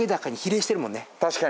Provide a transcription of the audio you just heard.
確かに。